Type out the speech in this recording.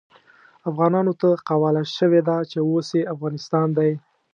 افغانانو ته قواله شوې ده چې اوس يې افغانستان دی.